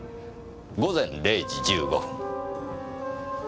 午前０時１５分。